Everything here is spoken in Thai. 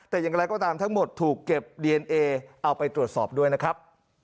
แต่ยังไงก็ตามทั้งหมดถูกเก็บเอาไปตรวจสอบด้วยนะครับ